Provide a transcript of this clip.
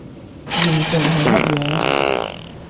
鹽蛇係乜嘢？